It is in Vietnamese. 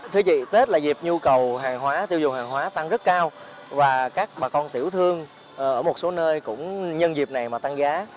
thưa quý vị tết là dịp nhu cầu hàng hóa tiêu dùng hàng hóa tăng rất cao và các bà con tiểu thương ở một số nơi cũng nhân dịp này mà tăng giá